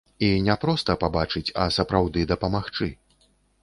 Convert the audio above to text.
І не проста пабачыць, а сапраўды дапамагчы.